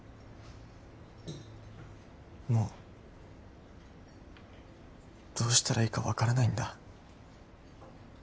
もうどうしたらいいか分からないんだ